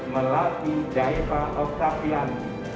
delapan belas melati daiba octavian